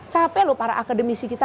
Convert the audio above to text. capek loh para akademisi kita